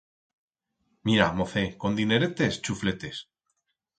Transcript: Mira, mocet, con dineretes, chufletes.